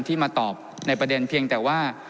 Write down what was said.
ที่มาตอบในประเด็นเพียงแต่ว่า